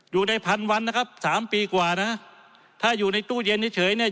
อยู่ได้พันวันนะครับสามปีกว่านะถ้าอยู่ในตู้เย็นเฉยเนี่ย